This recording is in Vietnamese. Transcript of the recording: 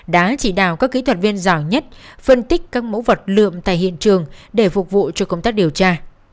đã chỉ đạo các kỹ thuật viên giỏi nhất phân tích các mẫu vật lượm tại hiện trường để phục vụ cho công tác điều tra